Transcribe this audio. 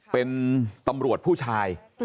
เป็นตำรวจผู้ชาย